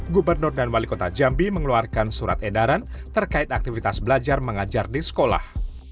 gubernur dan wali kota jambi mengeluarkan surat edaran terkait aktivitas belajar mengajar di sekolah